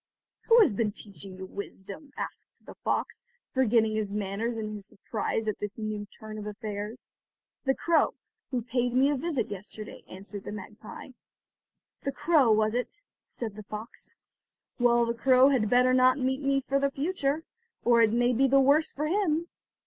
"Who has been teaching you wisdom?" asked the fox, forgetting his manners in his surprise at this new turn of affairs. "The crow, who paid me a visit yesterday," answered the magpie. "The crow was it?" said the fox, "well, the crow had better not meet me for the future, or it may be the worse for him."